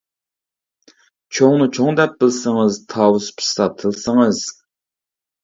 چوڭنى چوڭ دەپ بىلسىڭىز، تاۋۇز پىشسا تىلسىڭىز!